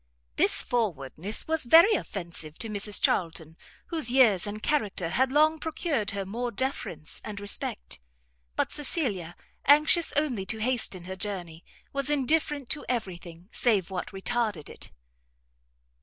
This forwardness was very offensive to Mrs Charlton, whose years and character had long procured her more deference and respect; but Cecilia, anxious only to hasten her journey, was indifferent to every thing, save what retarded it.